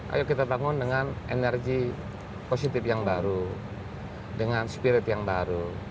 ayo kita bangun dengan energi positif yang baru dengan spirit yang baru